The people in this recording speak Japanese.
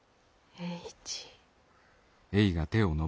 栄一。